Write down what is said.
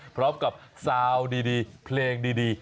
พร้อมกับซาวน์ดีเพลงดี